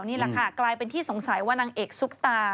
นี่แหละค่ะกลายเป็นที่สงสัยว่านางเอกซุปตา